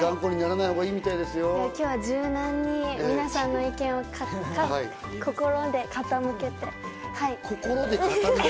今日は柔軟に皆さんの意見を心で傾けて？